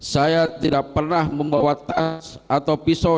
saya tidak pernah membawa tas atau pisau